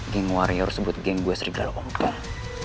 geng warrior sebut geng gue serigala ompong